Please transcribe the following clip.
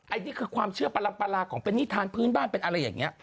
อันนี้คือความเชื่อประลำปลาลาของเป็นนิทานพื้นบ้านเป็นอะไรอย่างนี้